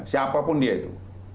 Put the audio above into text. siapa pun dia itu